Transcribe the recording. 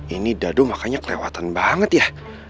ini dadu makanya kelewatan banget ya